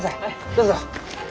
どうぞ。